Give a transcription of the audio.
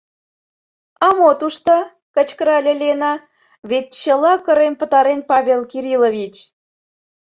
— А мо тушто, — кычкырале Лена, — вет чыла кырен пытарен, Павел Кириллович?